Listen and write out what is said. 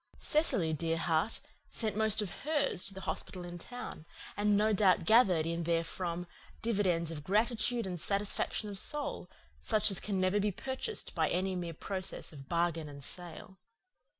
Cecily, dear heart, sent most of hers to the hospital in town, and no doubt gathered in therefrom dividends of gratitude and satisfaction of soul, such as can never be purchased by any mere process of bargain and sale.